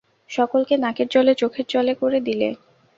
সকলকে নাকের জলে চোখের জলে করে দিলে।